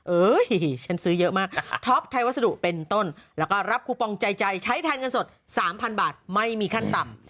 ฉันซื้อเยอะมากท็อปไทยวัสดุเป็นต้นแล้วก็รับคูปองใจใจใช้แทนเงินสด๓๐๐บาทไม่มีขั้นต่ำ